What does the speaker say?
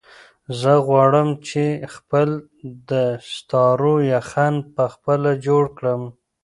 زه غواړم چې خپل د ستارو یخن په خپله جوړ کړم.